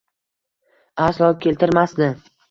Aslo keltirmasdi.